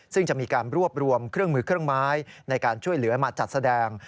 ซึ่งจะมีการรวบรวมเครื่องมือเครื่องไม้ในการช่วยเหลือมาจัดแสดง